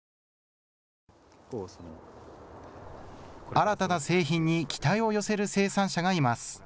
新たな製品に期待を寄せる生産者がいます。